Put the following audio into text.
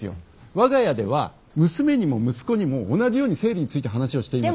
我が家では娘にも息子にも同じように生理について話をしています。